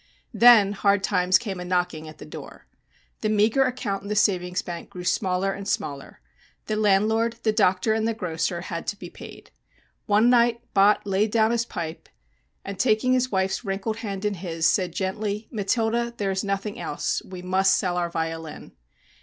Then hard times came a knocking at the door. The meagre account in the savings bank grew smaller and smaller. The landlord, the doctor and the grocer had to be paid. One night Bott laid down his pipe and, taking his wife's wrinkled hand in his, said gently: "Matilda, there is nothing else we must sell our violin!"